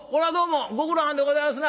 ご苦労はんでございますな。